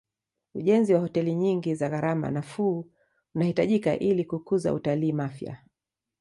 ujenzi wa hoteli nyingi za gharama nafuu unahitajika ili kukuza utalii mafia